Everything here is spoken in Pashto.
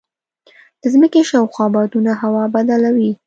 د ځمکې شاوخوا بادونه هوا بدله وي.